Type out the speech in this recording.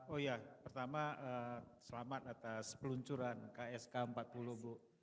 oh ya pertama selamat atas peluncuran ksk empat puluh bu